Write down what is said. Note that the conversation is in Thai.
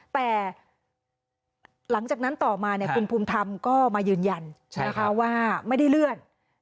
แต่หลังจากนั้นต่อมาคุณภูมิธรรมก็มายืนยันนะคะว่าไม่ได้เลื่อน